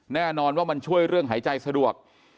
แน่นอนว่ามันช่วยเรื่องหายใจสะดวก